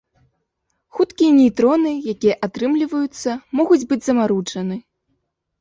Хуткія нейтроны, якія атрымліваюцца, могуць быць замаруджаны.